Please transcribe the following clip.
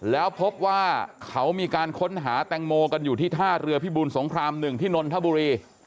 แล้วพบว่าเขามีการค้นหาแตงโมกันอยู่ที่ท่าเรือพิบูลสงคราม๑ที่นนทบุรี